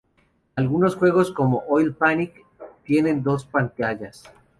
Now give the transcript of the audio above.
Algunos juegos, como Oil Panic, tienen dos pantallas.